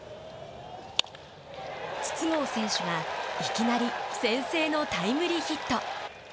筒香選手がいきなり先制のタイムリーヒット。